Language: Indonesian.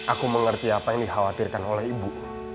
aku mengerti apa yang dikhawatirkan oleh ibu